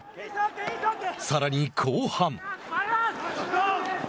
さらに後半。